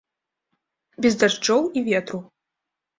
Без дажджоў і ветру.